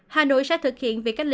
hà nội sẽ thực hiện việc cách ly